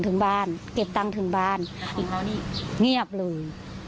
ถึงบ้านเก็บตังค์ถึงบ้านแต่ของเรานี่เงียบเลยอืม